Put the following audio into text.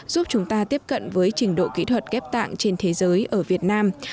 giúp chúng ta tiếp cận với trình độ kỹ thuật ghép tạng trên thế giới ở việt nam